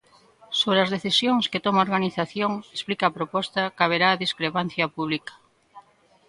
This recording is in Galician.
Sobre as decisións que tome a organización, explica a proposta, caberá a "discrepancia pública".